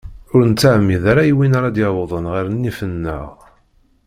Ur nettɛemmid ara i win ara ad d-yawḍen ɣer nnif-nneɣ.